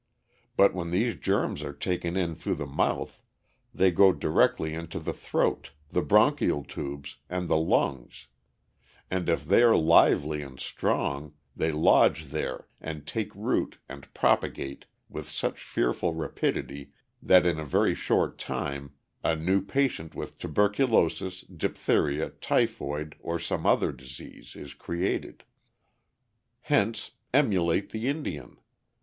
But when these germs are taken in through the mouth, they go directly into the throat, the bronchial tubes, and the lungs, and if they are lively and strong, they lodge there and take root and propagate with such fearful rapidity that in a very short time a new patient with tuberculosis, diphtheria, typhoid, or some other disease, is created. Hence, emulate the Indian.